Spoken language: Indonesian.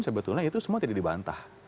sebetulnya itu semua tidak dibantah